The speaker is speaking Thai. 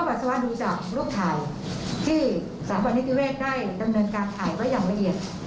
กภพปรสวะท่านดูจากรูปถ่ายที่สามารถนิติเวศได้ดำเนินการถ่ายไว้อย่างละเอียด